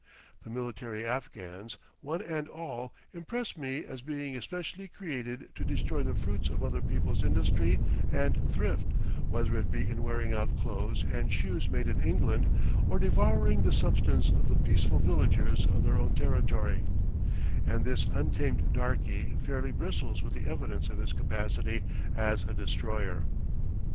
The military Afghans, one and all, impress me as being especially created to destroy the fruits of other people's industry and thrift, whether it be in wearing out clothes and shoes made in England, or devouring the substance of the peaceful villagers of their own territory; and this untamed darkey fairly bristles with the evidence of his capacity as a destroyer.